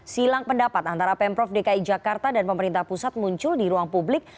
silang pendapat antara pemprov dki jakarta dan pemerintah pusat muncul di ruang publik